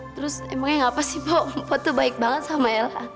terus emang yang apa sih po po tuh baik banget sama ella